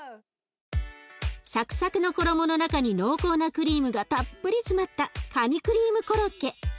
サクサクの衣の中に濃厚なクリームがたっぷり詰まったカニクリームコロッケ。